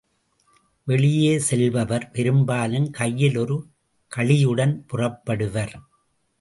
வெளியே செல்பவர் பெரும்பாலும், கையில் ஒரு கழியுடன் புறப்படுவர்.